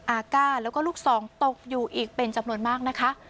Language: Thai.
อากาศแล้วก็ลูกซองตกอยู่อีกเป็นจำนวนมากนะคะ